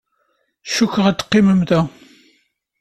Cikkeɣ ad teqqimem da.